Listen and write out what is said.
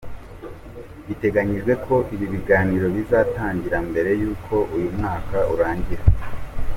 Biteganyyijwe koi bi biganiro bizatangira mbere y’uko uyu mwaka urangira.